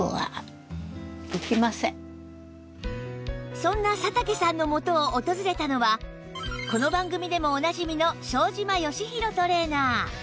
そんな佐竹さんのもとを訪れたのはこの番組でもおなじみの庄島義博トレーナー